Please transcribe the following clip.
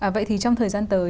vậy thì trong thời gian tới